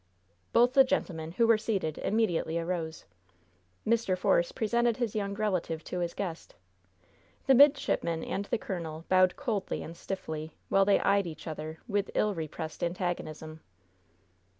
Both the gentlemen, who were seated, immediately arose. Mr. Force presented his young relative to his guest. The midshipman and the colonel bowed coldly and stiffly, while they eyed each other with ill repressed antagonism.